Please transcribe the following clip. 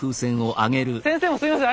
先生もすみません。